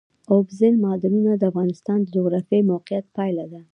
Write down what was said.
اوبزین معدنونه د افغانستان د جغرافیایي موقیعت پایله ده.